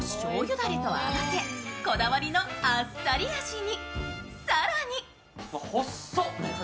だれと合わせこだわりのあっさり味に。